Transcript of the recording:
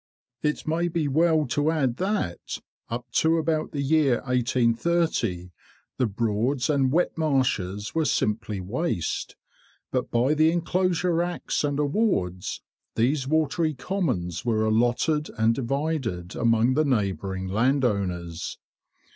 It may be well to add that, up to about the year 1830, the Broads and wet marshes were simply waste; but by the Enclosure Acts and Awards, these watery commons were allotted and divided among the neighbouring landowners.